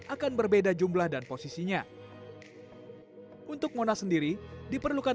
akan berbeda jumlahnya dari proyektor yang digunakan pada setiap bangunan